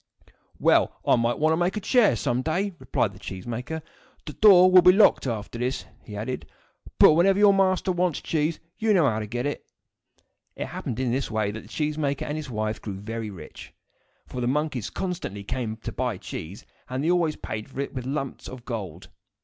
"Well, I may want to make a chair some day," replied the cheese maker. "The door will be locked after this," he added; "but whenever your master wants cheese, you know how to get it." It happened, in this way, that the cheese maker and his wife grew very rich; for the monkeys constantly came to buy cheese, and they always paid for it with heavy lumps of gold.